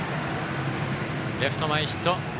レフト前ヒット。